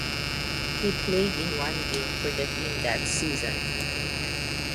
He played in one game for the team that season.